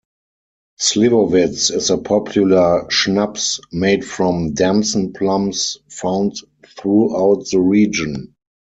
Slivovitz is a popular schnapps made from Damson plums found throughout the region.